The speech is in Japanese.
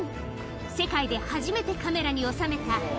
世界で初めてカメラにおさめた。